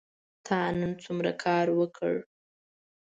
تا نن څومره کار وکړ ؟